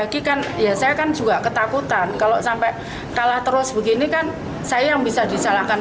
ketakutan kalau sampai kalah terus begini kan saya yang bisa disalahkan